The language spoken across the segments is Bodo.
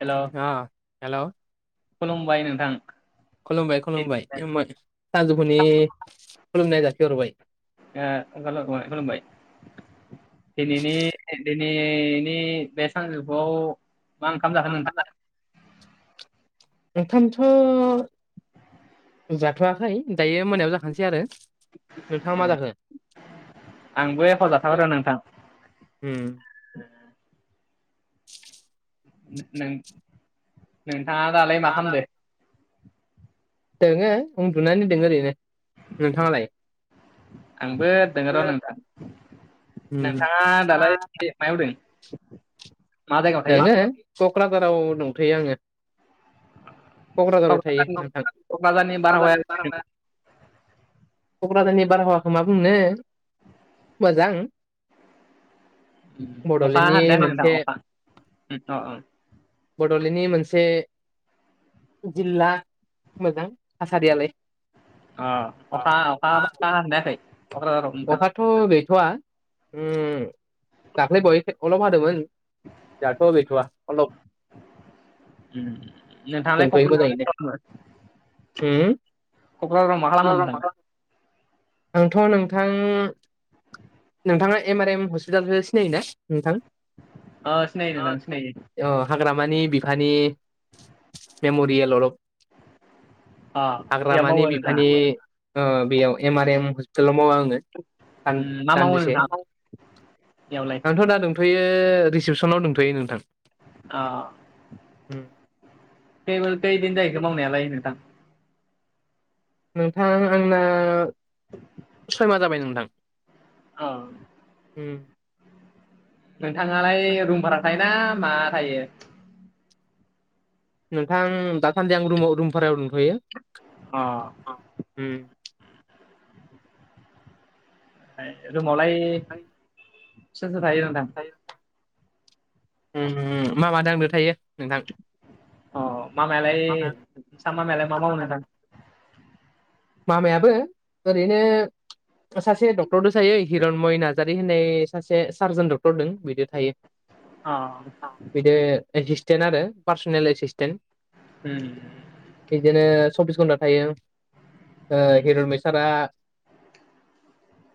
हेलौ अ हेल' खुलुमबाय नोंथां खुलुमबाय खुलुमबाय [unintelligible] सानजौफुनि खुलुमनाय जासिहरबाय ओ [unintelligible] खुलुमबाय दिनैनि [unintelligible] बिनि बे सानजौफुआव मा ओंखाम जाखो नोंथाङा [unintelligible] नोंथांथ जाथ'आखै दायो मोनायाव जाखानोसै आरो नोंथाङा मा जागोन आंबो एख' जाथवा र' नोंथां उम नो नों नोंथाङा दालाय मा खामदो दोङो उन्दुनानै दोङो ओरैनो नोंथाङालाय आंबो दोङो र' नोंथां उम नोंथाङा दालाय [unintelligible] मायाव दों मा जायगायाव थायो दोङो क'क्राझाराव दंथयो आङो क'क्राझाराव क'क्राझारनि थायो क'क्राझारनि बारहावाया [unintelligible] क'क्राझारनि बारहावाखौ मा बुंनो मोजां अखा बड'लेण्डनि हादोना हायाखै नोंथां मोनसे अखा ओम अ-अ बड'लेण्डनि मोनसे जिल्ला मोजां थासारियालाय अ अखा अखा अखा हादोना हायाखै कक्राझाराव नोंथां अखायाथ' गैथ'वा ओम दाख्लैबावैसो अलब हादोंमोन दाथ' गैथ'वा अलब ओम नोंथाङालाय [unintelligible] दोंथ'यो मोजाङैनो उम क'क्राझाराव मा खालामो नोंथां आंथ' नों थां नोंथाङा एम आर एम हस्पिटालखौ सिनायोना नोंथां ओ‌ सिनायो नोंथां सिनायो औ हाग्रामानि बिफानि मेमरियेल अलफ अ एयाव मावो हाग्रामानि नोंथाङा बिफानि ओ बेयाव एम आर एम हस्पिटालाव मावो आं आं उम मा मावो दान्दिसे नोंथाङा एयावलाय आंथ' दा दं थ'यो रिसेपसनाव दंथ'यो नोंथां अ उम टेबोल कैदिन जायैखो मावनायालाय नोंथां नोंथां आंना सयमा जाबाय नोंथां ओ उम नोंथाङालाय रुम भारा थायोना मा थायो नोंथां दासान्दि आं रुमाव रुम भारायाव दंथ'यो अ अ ओम ओमफाय रुमावलाय सोर‌ सोर थायो नोंथां उम मामा आंदो थायो नोंथां अ मामायालाय नोंसा मामायालाय मा मावो नोंथां मामायाबो ओरैनो सासे डक्टरदो थायो हिरनमय नारजारि होननाय सासे सार्जन डक्टर दं बिदो थायो अ बिदो एसिसटेन्ट आरो पार्सनेल एसिसटेन्ट उम बिदिनो सब्बिस घन्टा थायो ओ उम हिरनमइ सारा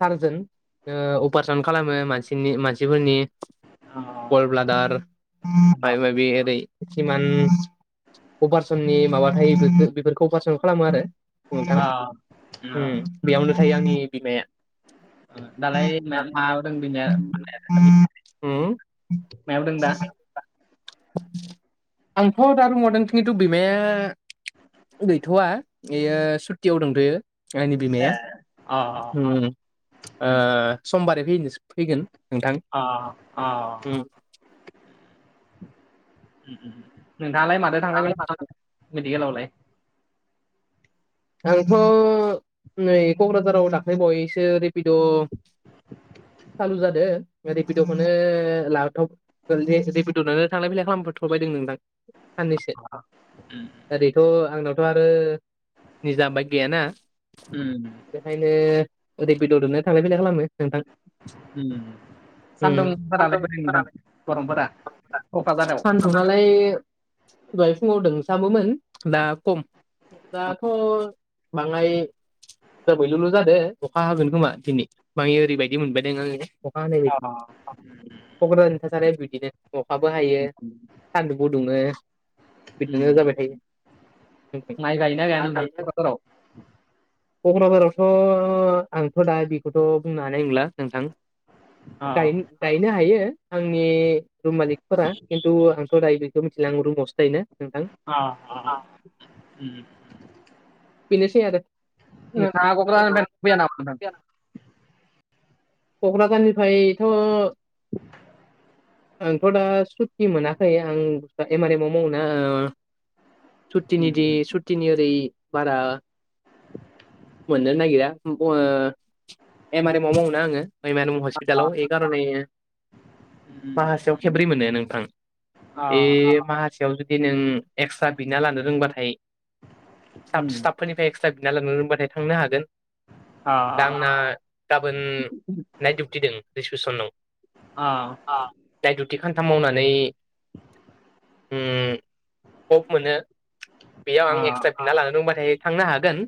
सारजोन अपारेशन खालामो मानसिनि मानसिफोरनि अ गल ब्लादार माब माबि ओरै खिमान अपारेशननि माबा थायो बेफोरखौ अपारेशन खालामो आरो नोंथां अ अ उम बेयावनो थायो आंनि बिमाया दालाय [unintelligible] उम मायाव दों दा आंथ' दा बुंहदों खिथु बिमाया गैथ'वा बेयो सुटियाव दंथयो आंनि ए बिमाया अ अ उम ओ उम समबार फयोनोस अ अ उम उम नोंथाङालाय मादो थांलाय फैबाय दालाय माथो खालामो मेडिकेलावलाय आंथ नै कक्राझाराव दाख्लै बायैसो ओरै रिपिड' सालु जादों रिपिड'खौनो लाथाव औ दे रेपिड' नो थांलाय फैलाय खालामबोथ'बायदों नोंथां साननैसो उम, दा रे थ' आंनावथ' आरो निजा बाइक गैयाना उम, बेखायनो रेपिड'दोनो थांलाय फैलाय खालामो नोंथां उम उम सान्दुंफोरालाय बुरै नोंथां सान्दुंफोरालाय गरमफोरा क'क्राझाराव सान्दुङालाय दहाय फुङाव दोंसाबोमोन दा खम दा अ बाङाय जाबैल'ल' जादों अखा हागोन खोमा दिनै मानि ओरैबायदि मोनबायदों आङो अखा हानाय बायदि अ क'क्राझारनि थासारिया बिदिनो अखाबो हायो सान्दुंबो दुङो बिदिनो उम। जाबाय थायो उम [unintelligible] क'क्राझाराव [unintelligible] क'क्राझारावथ' आंथ' दा बेखौथ' बुंनो हानाय नंला नोंथां अ गायनो हायो आंनि रुम मालिकफोरा खि न्थु आंथ' दायो बेखौ मिथिला आं रुमावसो थायोना नोंथां अ आ आं ओम बेनोसै आरो [unintelligible] क'क्राझारनिफ्रायथ [inaudible] आंथ' दा सुति मोनाखै आं एम आर एमाव मावा सुतिनि उम, दि उम। सुतिनि ओरै बारा मोननो नागिरा ब ओ एमार एमावव मावनो आङो एमार एम अ हस्पिटालाव बे ए खारने उम, माहासेयाव खेब्रै मोनो नोंथां अ बे माहासेयाव जुदि नों एक्सट्रा बिना लानो रोंथाय सा उम, स्टाफफोरनिफ्राय एक्सट्रा बिना लानो रोंबाथाय थांनो हागोन अ दा आंना गाबोन नाइट डउटि दं रिसिपसनाव आ दाय टि खान्थाम मावनानै ओम पक मोनो बेयाव अ आं एक्सटाइ बिना लानो रोंबाथाय थांनो हागोन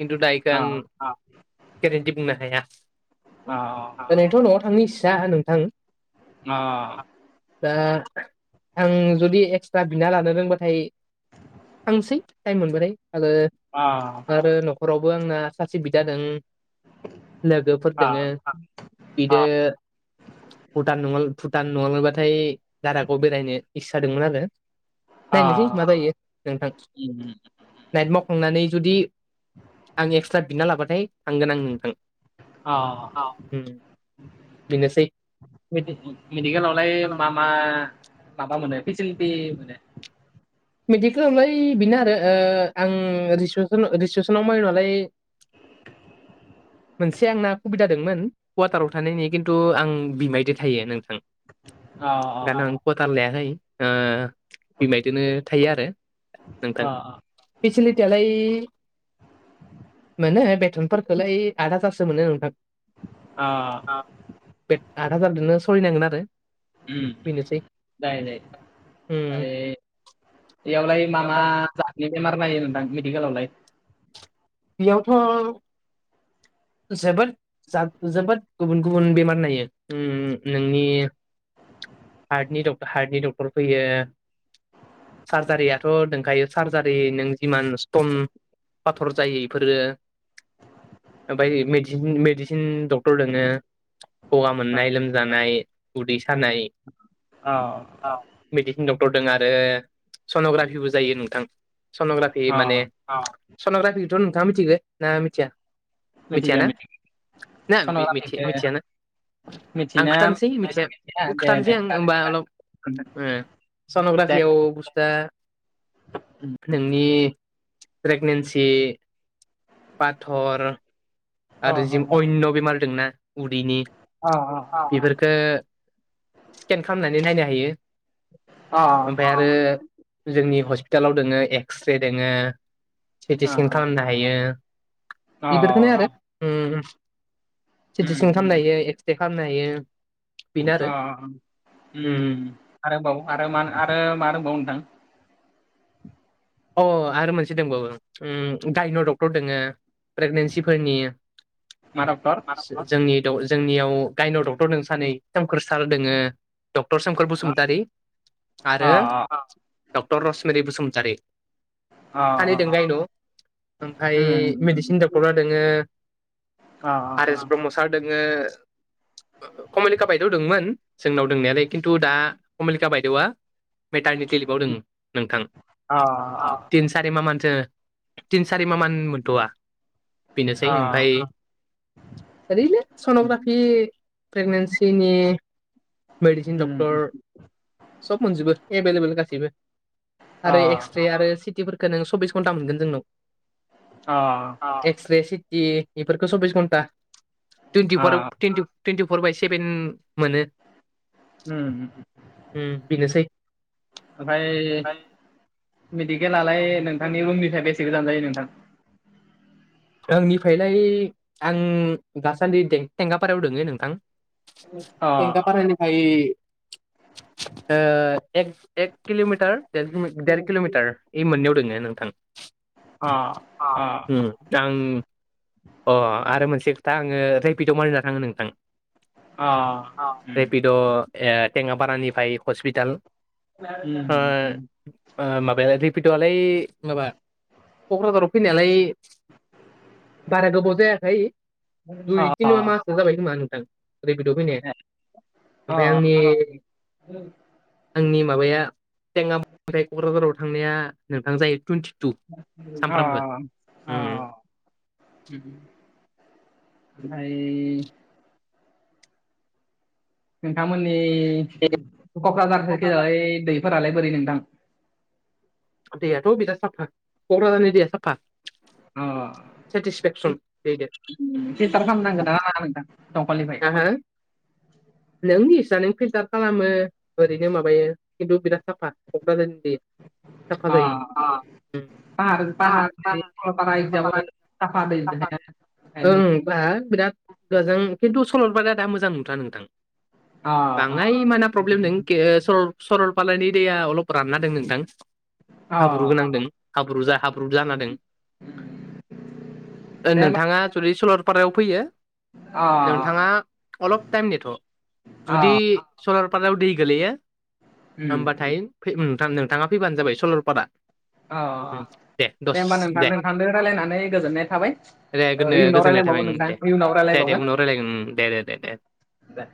खिन्थु दायखौ अ आं गेरेन्थि बुंनो हाया अ दिनैथ'आव थांनि इस्सा नोंथां आ दा आं जुदि एक्सट्रा बिना लानो रोंबाथाय थांसै टाइम मोनबथाय आरो आ आरो न'खरावबो आंना सासे बिदा दों लोगोफोर दङो बिदि अ भुटान न भुटान नङाबाथाय दारागा बेरायनो इस्सा जादोंमोन आरो नायनोसै अ मा जायो नोंथां उम, नाइट मावखांनानै जुदि आं एक्सट्रा बिना लाबाथाय थांगोन आं नोंथां अ औ बेनोसै मेडि मेडिकेलावलाय मा मा माबा मोनो फेसिलिटि मोनो मेडिकेलावलाय बेनो आरो आं रिसन रिसिपसनाव माइ नालाय मोनसे आंना सुबिदा दंमोन कवाटाराव थानायनि खिन्थु आं बिमायदो थायो नोंथां अ दा आं कुवाटार लायाखै बिमायदोनो थायो आरो अ नोंथां फेसिलिटियालाय मोनो बेथनफोरखौलाय आद हाजारासो मोनो नोंथां आ बे आट हाजारजोंनो सोलिनांगोन आरो जायो बेनोसै जायो उम आ बेयावलाय मा मा बेयावथ' जादनि बेमार नायो नोंथां मेडिकेलावलाय बेयावथ' जोबोद जोबोद गुबुन गुबुन बेमार नायो नोंनि हार्टनि डक हार्टनि डक्टर फैयो सार्जारियाथ' दंखायो सार्जारि नों जिमान स्टन पाथर जायो बेफोरो ओमफ्राय मेडिसिन डक्टर दोङो गगा मोननाय लोमजानाय उदै सानाय अ औ मेडिसिन डक्टर दं आरो सन'ग्राफिबो जायो नोंथां सन'ग्राफि अ माने औ सन'ग्राफिखौथ' नोंथाङा मिथिगौ ना मिथिया मिथिया मिथिगो ना मिथिगो ना मि मिथि सन'ग्राफिखो मिथियाना आं मिथियोना खिथानोसै एसे मिथिया दे खिथानोसै दे आं होमबा जागोन नोंथां अलप दे सन'ग्राफियाव बुस्थुआ नोंनि प्रेगनेन्सि पाथर अ आरो ज अ अन्न' बेमार दंना उदैनि अ बेफोरफोरखौ स्केन खालामनानै नायनो हायो अ ओमफ्राय आरो जोंनि हस्पिटालाव दोङो एक्स रे दोङ सिटि अ स्केन खालामनो हायो अ बेफोरखौनो आरो उम सिटिसिं उम खालामनो हायो एक्सरे खालामनो हायो। बेनो आरो अ उम आरोबाव आरो म मा होनबाव नोंथां अ आरो मोनसे दंबावो गडायन' डक्टर दोंङो प्रेगनेन्सिफोरनि मा डक्टर जोंनि जोंनियाव गायनाव डक्टर दं सानै सोमखोर सार दोंङो डक्टर सोमखोर बसुमतारि अ आरो डक्टर रसमित बसुमतारि अ सानै दों गायन' ओमफाय मेडिसिन डक्टरा दोंङो [unintelligible] जगेश ब्रह्म सार दोंङो कमलिका बायदेव दंमोन जोंनाव दंनायालाय खिन्थु दा कमलिका बायदेवा मेटारनि किलिबाव दोङो तिन सारि मा मानसो तिन सारि मा मान मोनथ'वा अ बेनोसै ओमफ्राय ओरैनो सन'ग्राफि प्रेगनेन्सिनि मेडिसिन डक्टर सब मोनजोबो एभलेबोल गासैबो अ आरो एक्स [unintelligible] आरो सिटिफोरखो नों सब्बिस घन्टा मोनगोन जोंनाव [unintelligible] एक्स रे सिटि बेफोरखौ सब्बिस घन्टा twenty four O twenty twenty four by seven मोनो [unintelligible] उम बेनोसै ओमफाय ओमफ्राय मेडिकेआलाय नोंथांनि रुमनिफ्राय बेसे गोजान जायो नोंथां आंनिफ्रायलाय आं दासान्दि थेंगापारायाव दंङो नोंथां अ एंगा फारानिफाय एक एक किल'मिटार देर किल'मिटार इ मोननैयाव दोंङो नोंथां अ अ दा आं अ आरो मोनसे खोथा आंङो रिपिटाव मारिना थांङो नोंथां रेपिड' टेङापारानिफ्राय हस्पिटाल [unintelligible] माबायालाय रिपिट'आलाय माबा क'क्राझाराव फैनायालाय बारा गोबाव जायाखै दुइ तिनिमा माहसो जाबाय खोमा नोंथां रेपिट' फैनाया अ ओमफाय आंनि आंनि माबाया टेङापारानिफ्राय क'क्राझाराव थांनाया नोंथां जायो टुइन्टि टु सामफ्रामबो [unintelligible] ओमफाय नोंथांमोननि क'क्राझार साइदखै जाय दैफोरालाय बोरै नोंथां दैयाथ' बिराद साफा क'क्राझारनि दैया साफा अ पि सेटिसफेक्सन दैदो पिलटार खालामनांगोना नांङा नोंथां दंखलनिफ्राय [inaudible] नोंनि इस्सा नों फिल्टार खालामो ओरैनो माबायो खिन्थु बिराद साफा क'क्राझारनि दैया साफा अ जायो पाहार पाहार माने [unintelligible] साफा दै [unintelligible] ओं बा बिराद गोजों खिन्थु सरल'पाराया दा मोजां नंथ्रा नोंथां अ बाङाय माना प्रब्लेम नों के [unintelligible] सरलपारानि दैया अलप रानना दं नोंथां हाब्रु अ गोनां दों हाब्रु जा हाब्रु जाना दों दे होमबा नोंथाङा जुदि सरलपारायाव फैयो अ नोंथाङा अलप टाइम नेथ' अ जुदि सलरपारायाव दै गोलैयो उम होमबाथाय फै नोंथां नोंथाङा फैबानो जाबाय सलरपारा अ अ दे दस होमबा नोंथां दे नोंथांजों रायलायनानै गोजोननाय थाबाय दे ओ गोनो इयुनाव गोजोननाय थाबाय रायलायबावगोन नोंथां दे इयुनाव दे दे रायलायबावगोन उनाव रायलायगोन दे दे दे दे दे